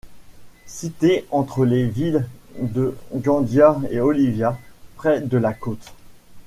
Située entre les villes de Gandia et Oliva, près de la côte.